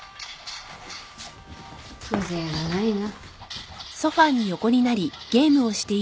風情がないな。